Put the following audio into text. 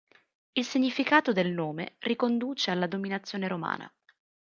Il significato del nome riconduce alla dominazione romana.